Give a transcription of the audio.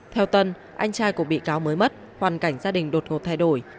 theo tân anh trai của bị cáo mới mất hoàn cảnh gia đình đột ngột thay đổi